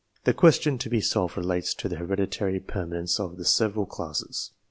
The question to be solved relates to the hereditary per manence of the several classes.